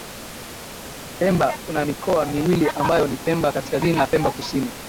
Pemba kuna mikoa miwili ambayo ni pemba kaskazini na pemba kusini